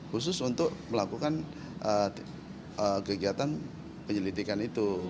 khusus untuk melakukan kegiatan penyelidikan itu